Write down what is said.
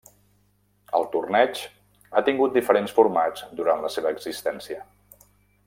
El torneig ha tingut diferents formats durant la seva existència.